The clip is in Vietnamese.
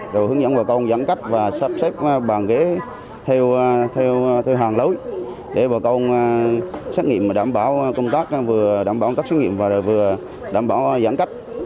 rồi hướng dẫn bà con dẫn cách và sắp xếp bàn ghế theo hàng lối để bà con đảm bảo công tác vừa đảm bảo công tác xét nghiệm và vừa đảm bảo dẫn cách